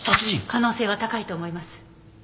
可能性は高いと思います。